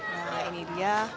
nah ini dia